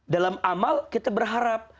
dalam amal kita berharap